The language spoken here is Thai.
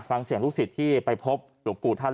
ฟังเสียงลูกศิษย์ที่ไปพบหลวงปู่ท่าน